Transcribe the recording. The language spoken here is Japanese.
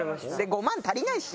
５万足りないし。